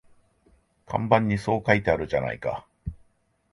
看板にそう書いてあるじゃないか